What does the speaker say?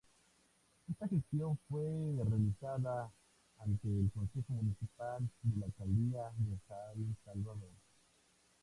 Esta gestión fue realizada ante el Consejo Municipal de la Alcaldía de San Salvador.